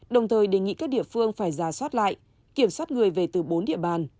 đồng thời đề nghị các địa phương phải ra soát lại kiểm soát người về từ bốn địa bàn